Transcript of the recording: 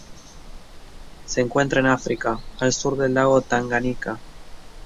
Se encuentra en África: al sur del lago Tanganika.